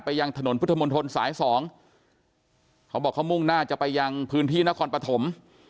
ยังถนนพุทธมนตรสายสองเขาบอกเขามุ่งหน้าจะไปยังพื้นที่นครปฐม